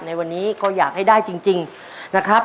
ในวันนี้ก็อยากให้ได้จริงนะครับ